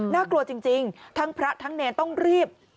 กลัวจริงทั้งพระทั้งเนรต้องรีบ